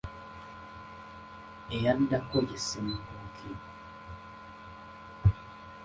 Eyaddako ye Ssemakookiro.